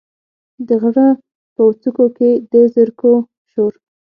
د غره په څوکو کې، د زرکو شور،